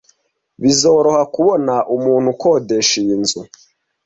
Bizoroha kubona umuntu ukodesha iyi nzu.